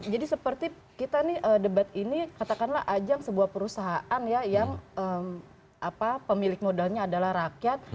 jadi seperti kita nih debat ini katakanlah ajang sebuah perusahaan ya yang pemilik modalnya adalah rakyat